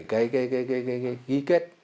cái ghi kết